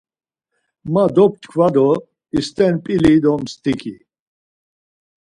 Ma doptkva do ist̆er p̌ili do mst̆iki.